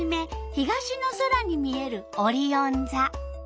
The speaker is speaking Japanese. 東の空に見えるオリオンざ。